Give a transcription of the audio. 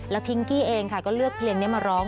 พิงกี้เองค่ะก็เลือกเพลงนี้มาร้อง